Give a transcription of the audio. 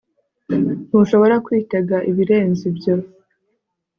Ntushobora kwitega ibirenze ibyo